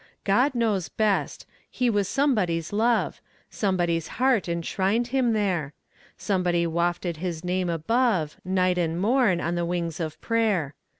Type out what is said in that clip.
God knows best! He was somebody's love; Somebody's heart enshrined him there; Somebody wafted his name above, Night and morn, on the wings of prayer.